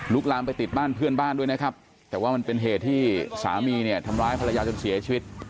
ลามไปติดบ้านเพื่อนบ้านด้วยนะครับแต่ว่ามันเป็นเหตุที่สามีเนี่ยทำร้ายภรรยาจนเสียชีวิต